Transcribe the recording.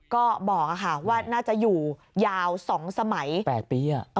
ก็บอกว่าน่าจะอยู่ยาวสองสมัยแปลกปี